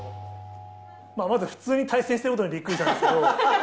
まず普通に対戦してることにびっくりしたんですけど。